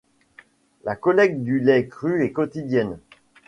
La collecte du lait cru est quotidienne.